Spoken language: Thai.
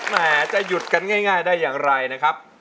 แหมจะหยุดกันง่ายได้อย่างไรนะครับ